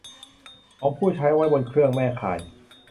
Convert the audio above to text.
ของผู้ใช้ไว้บนเครื่องแม่ข่าย